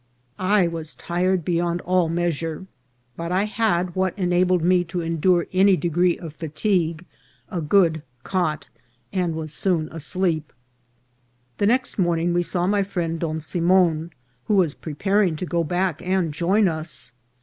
I was tired beyond all measure ; but I had, what enabled me to endure any degree of fatigue, a good cot, and was soon asleep. The next morning we saw my friend Don Simon, who was preparing to go back and join us.